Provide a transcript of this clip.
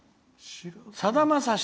さだまさし